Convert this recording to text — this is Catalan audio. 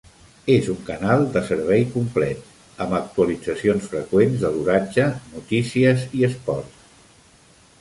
És un canal de servei complet, amb actualitzacions freqüents de l'oratge, notícies i esports.